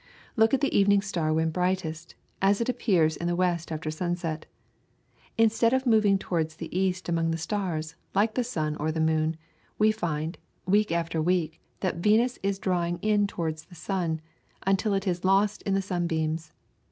Look at the evening star when brightest, as it appears in the west after sunset. Instead of moving towards the east among the stars, like the sun or the moon, we find, week after week, that Venus is drawing in towards the sun, until it is lost in the sunbeams.